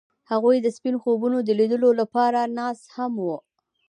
هغوی د سپین خوبونو د لیدلو لپاره ناست هم وو.